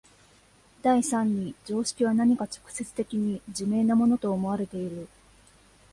第三に常識は何か直接的に自明なものと思われている。